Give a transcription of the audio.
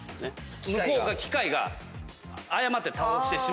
向こうが機械が誤って倒してしまうっていう。